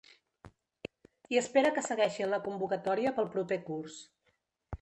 I espera que segueixi en la convocatòria pel proper curs.